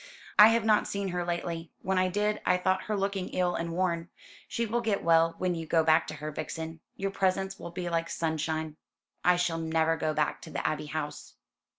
"I have not seen her lately. When I did, I thought her looking ill and worn. She will get well when you go back to her, Vixen. Your presence will be like sunshine." "I shall never go back to the Abbey House."